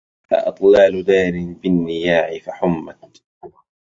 أأطلال دار بالنياع فحمت